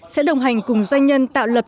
sẽ đồng hành cùng doanh nhân tạo lập